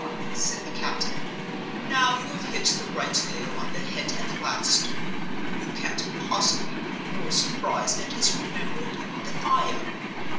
said the captain. "Now you have hit the right nail on the head at last. You can't possibly be more surprised at his remembering you than I am.